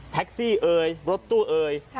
แท็กซี่เอ่ยรถตู้เอ่ย